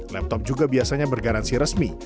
laptop juga biasanya bergaransi resmi